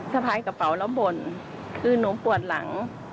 สะพายกระเป๋าแล้วบ่นคือหนูปวดหลัง